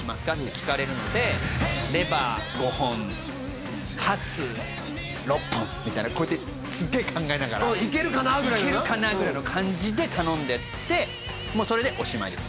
聞かれるのでレバー５本ハツ６本みたいなこうやってすっげえ考えながらいけるかな？ぐらいの感じで頼んでってもうそれでおしまいです